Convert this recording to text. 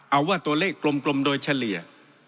เอาว่าตัวเลขกลมโดยเฉลี่ย